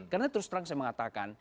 karena terus terang saya mengatakan